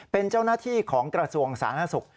เป็นเจ้าหน้าที่ของกระทรวงสาธารณสุข